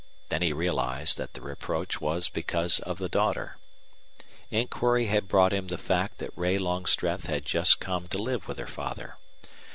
Then he realized that the reproach was because of the daughter. Inquiry had brought him the fact that Ray Longstreth had just come to live with her father.